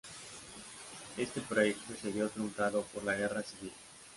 Este proyecto se vio truncado por la guerra civil.